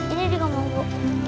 ini juga mau bu